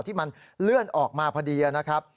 ที่มันเลื่อนออกมาพอดีนะครับ